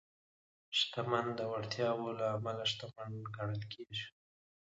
شتمن د وړتیاوو له امله شتمن ګڼل کېږي.